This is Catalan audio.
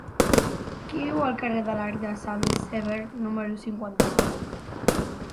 Qui viu al carrer de l'Arc de Sant Sever número cinquanta-nou?